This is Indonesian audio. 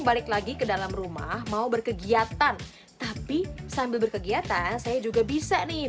balik lagi ke dalam rumah mau berkegiatan tapi sambil berkegiatan saya juga bisa nih